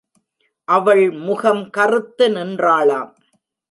அவள் முகம் கறுத்து நின்றாளாம்.